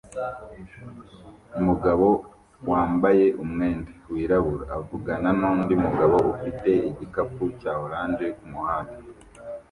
Umugabo wambaye umwenda wirabura avugana nundi mugabo ufite igikapu cya orange kumuhanda